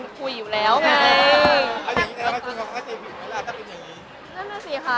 อเจมส์คุยกันหรือเปล่า